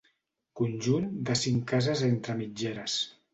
Conjunt de cinc cases entre mitgeres.